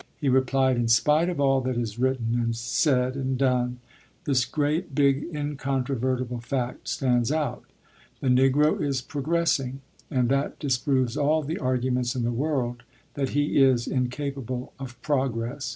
He replied: "In spite of all that is written, said, and done, this great, big, incontrovertible fact stands out the Negro is progressing, and that disproves all the arguments in the world that he is incapable of progress.